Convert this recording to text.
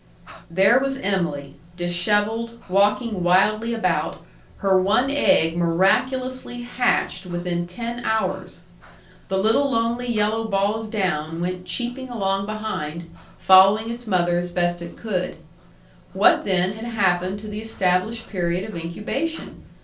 There was Em'ly, dishevelled, walking wildly about, her one egg miraculously hatched within ten hours. The little lonely yellow ball of down went cheeping along behind, following its mother as best it could. What, then, had happened to the established period of incubation?